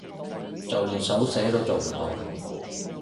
就連手寫都做唔到